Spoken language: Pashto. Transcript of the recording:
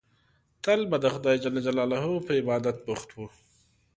تل به د خدای جل جلاله په عبادت بوخت وو.